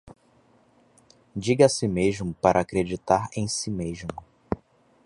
Diga a si mesmo para acreditar em si mesmo